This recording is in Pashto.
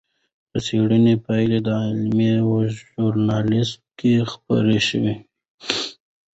د څېړنې پایلې د علمي ژورنال کې خپرې شوې.